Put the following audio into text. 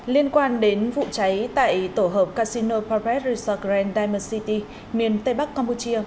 liên quan đến vụ cháy tại tổ hợp casino parade resort grand diamond city miền tây bắc campuchia